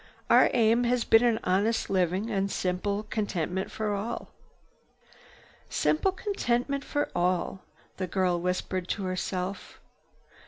Our aim has been an honest living, and simple contentment for all." "Simple contentment for all," the girl whispered to herself.